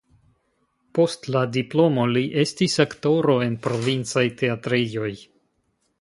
Post la diplomo li estis aktoro en provincaj teatrejoj.